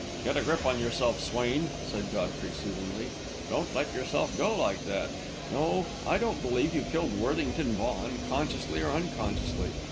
"Get a grip of yourself, Swain," said Godfrey, soothingly. "Don't let yourself go like that. No, I don't believe you killed Worthington Vaughan, consciously or unconsciously.